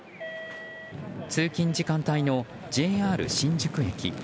通勤時間帯のＪＲ新宿駅。